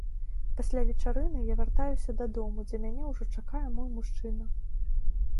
Пасля вечарыны я вяртаюся дадому, дзе мяне ўжо чакае мой мужчына.